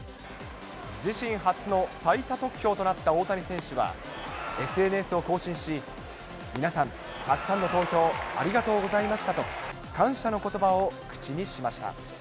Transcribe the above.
自身初の最多得票となった大谷選手は、ＳＮＳを更新し、皆さん、たくさんの投票ありがとうございましたと、感謝のことばを口にしました。